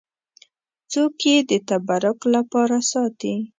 څوک یې د تبرک لپاره ساتي.